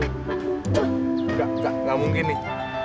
enggak enggak gak mungkin nih